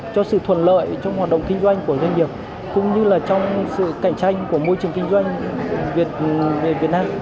cho sự thuận lợi trong hoạt động kinh doanh của doanh nghiệp cũng như là trong sự cạnh tranh của môi trường kinh doanh về việt nam